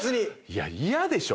いや嫌でしょ。